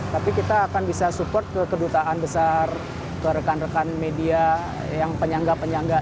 tapi kita akan bisa support ke kedutaan besar ke rekan rekan media yang penyangga penyangga